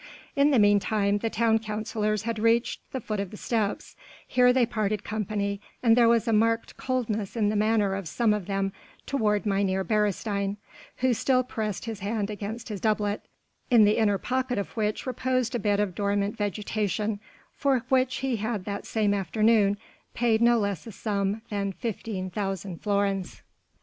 In the meantime the town councillors had reached the foot of the steps: here they parted company and there was a marked coldness in the manner of some of them toward Mynheer Beresteyn, who still pressed his hand against his doublet, in the inner pocket of which reposed a bit of dormant vegetation for which he had that same afternoon paid no less a sum than fifteen thousand florins.